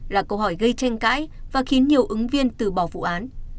là câu hỏi gây tranh cãi và khiến nhiều ứng viên từ bỏ vụ án